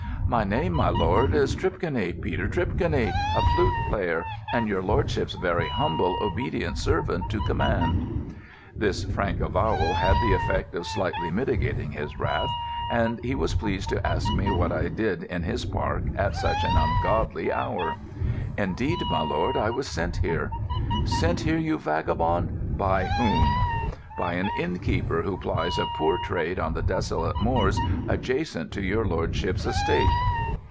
"My name, my lord, is Tripconey—Peter Tripconey, a flute player, and your lordship's very humble, obedient servant to command." This frank avowal had the effect of slightly mitigating his wrath, and he was pleased to ask me what I did in his park at such an ungodly hour. "Indeed, my lord, I was sent here." "Sent here, you vagabond? By whom?" "By an inn keeper who plies a poor trade on the desolate moors adjacent to your lordship's estate."